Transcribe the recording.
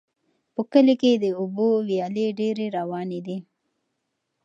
په کلي کې د اوبو ویالې ډېرې روانې دي.